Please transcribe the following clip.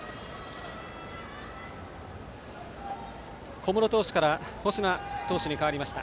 小室投手から星名投手に代わりました。